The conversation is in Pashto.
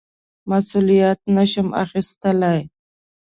مسوولیت نه شم اخیستلای.